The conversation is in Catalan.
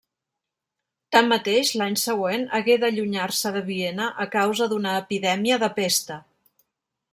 Tanmateix, l'any següent hagué d'allunyar-se de Viena a causa d'una epidèmia de pesta.